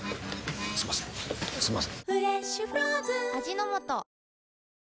すみませんすみません。